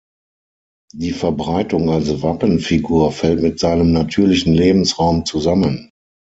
Die Verbreitung als Wappenfigur fällt mit seinem natürlichen Lebensraum zusammen.